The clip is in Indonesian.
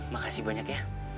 makasih banyak ya